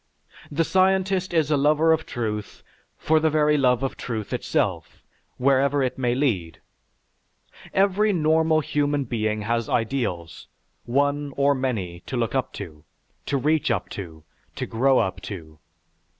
The scientist is a lover of truth for the very love of truth itself, wherever it may lead. Every normal human being has ideals, one or many, to look up to, to reach up to, to grow up to.